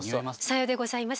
さようでございます。